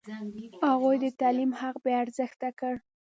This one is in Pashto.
هغوی د تعلیم حق بې ارزښته کړ.